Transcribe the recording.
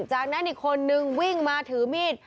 จากนั้นอีกคนนึงวิ่งมาถือมีด